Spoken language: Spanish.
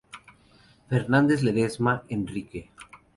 Fernández Ledezma, Enrique.